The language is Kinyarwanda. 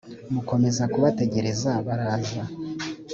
mukomeza kubategereza baraza.